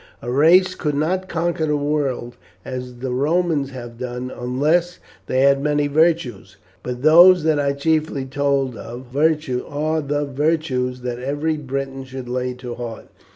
"A race could not conquer the world as the Romans have done unless they had many virtues; but those that I chiefly told of are the virtues that every Briton should lay to heart.